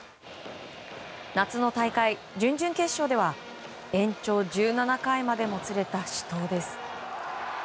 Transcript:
夏の大会、準々決勝では延長１７回までもつれた死闘です。